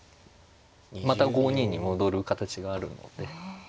また５二に戻る形があるので。